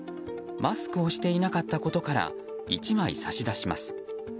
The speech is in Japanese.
マスクをしていなかったことから１枚差し出します。